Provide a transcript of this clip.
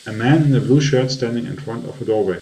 A man in a blue shirt standing in front of a doorway.